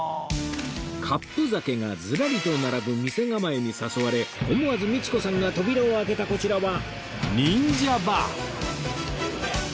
カップ酒がずらりと並ぶ店構えに誘われ思わず道子さんが扉を開けたこちらは ＮＩＮＪＡＢＡＲ